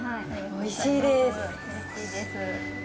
おいしいです。